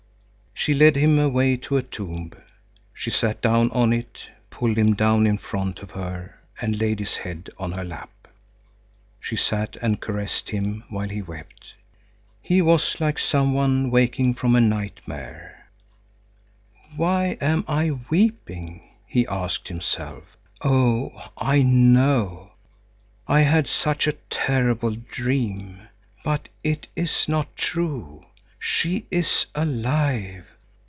She led him away to a tomb. She sat down on it, pulled him down in front of her and laid his head on her lap. She sat and caressed him, while he wept. He was like some one waking from a nightmare. "Why am I weeping?" he asked himself. "Oh, I know; I had such a terrible dream. But it is not true. She is alive.